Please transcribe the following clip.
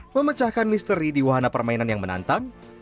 memecahkan misteri di wahana permainan yang menantang